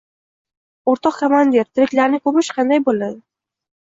— Urtoq komandir, tiriklarni ko‘mish qanday bo‘ladi?